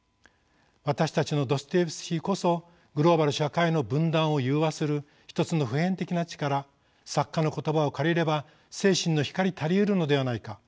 私たちのドストエフスキーこそグローバル社会の分断を融和する一つの普遍的な力作家の言葉を借りれば精神の光たりうるのではないか。